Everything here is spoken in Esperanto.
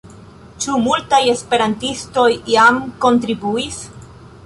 Ĉu multaj esperantistoj jam kontribuis?